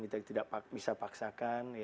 tidak bisa paksakan